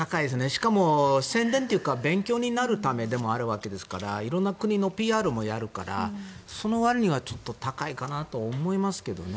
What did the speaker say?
しかも、宣伝というか勉強になるものでもありますから色んな国のＰＲもやるからその割にはちょっと高いかなと思いますけどね。